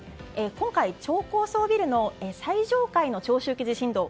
今回、超高層ビルの最上階の長周期地震動